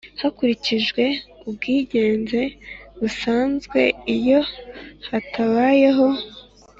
Hakurikijwe ubwiganze busanzwe iyo hatabayeho